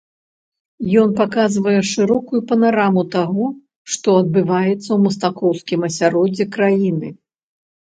Ён паказвае шырокую панараму таго, што адбываецца ў мастакоўскім асяроддзі краіны.